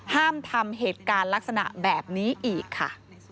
ห้ามทำเหตุการณ์ลักษณะแบบนี้อีกค่ะ